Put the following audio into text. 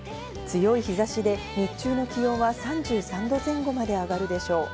強い日差しで日中の気温は３３度前後まで上がるでしょう。